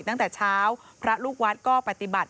ตั้งแต่เช้าพระลูกวัดก็ปฏิบัติ